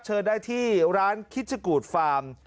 เชิญได้ที่ร้านคิชกูดฟาร์ม